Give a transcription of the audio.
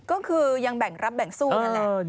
ก็คือยังแบ่งรับแบ่งสู้นั่นแหละ